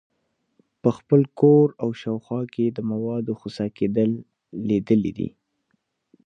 په خپل کور او شاوخوا کې د موادو خسا کیدل لیدلي دي.